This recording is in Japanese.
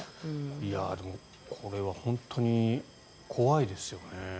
でも、これは本当に怖いですよね。